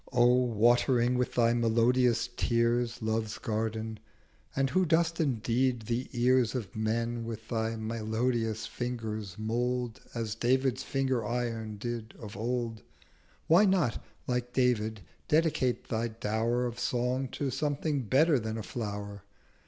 'O watering with thy melodious Tears Love's Garden, and who dost indeed the Ears Of men with thy melodious Fingers mould As David's Finger Iron did of old: Why not, like David, dedicate thy Dower Of Song to something better than a Flower?